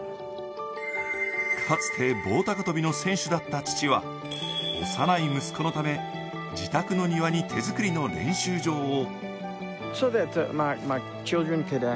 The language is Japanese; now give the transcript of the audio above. かつて、棒高跳の選手だった父は、幼い息子のため自宅の庭に手作りの練習場を。